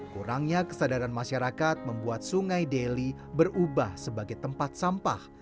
kurangnya kesadaran masyarakat membuat sungai deli berubah sebagai tempat sampah